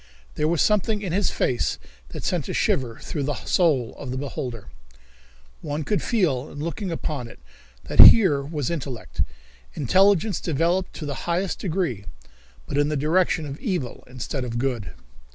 There was something in this face that sent a shiver through the soul of the beholder. One could feel in looking upon it that here was intellect, intelligence developed to the highest degree, but in the direction of evil instead of good.